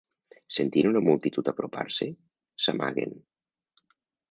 Sentint una multitud apropar-se, s'amaguen.